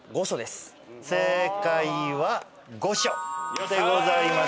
正解は御所でございます。